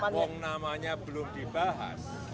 wong namanya belum dibahas